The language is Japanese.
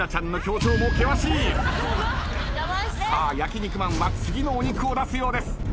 さあ焼肉マンは次のお肉を出すようです。